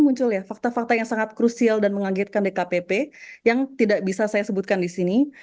muncul ya fakta fakta yang sangat krusial dan mengagetkan dkpp yang tidak bisa saya sebutkan di sini